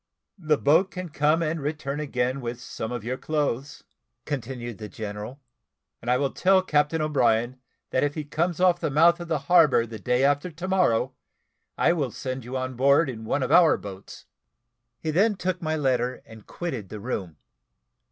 "The boat can come and return again with some of your clothes:" continued the general; "and I will tell Captain O'Brien that if he comes off the mouth of the harbour the day after to morrow, I will send you on board in one of our boats." He then took my letter, and quitted the room.